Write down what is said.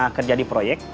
pernah kerja di proyek